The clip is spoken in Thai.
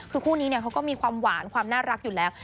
คือคู่นี้เขาก็มีความหวานความน่ารักอยู่แล้ว